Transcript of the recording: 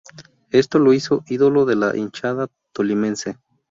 Esto lo hizo ídolo de la hinchada tolimense.